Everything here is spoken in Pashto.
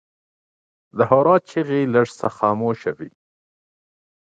د هورا چیغې لږ څه خاموشه وې.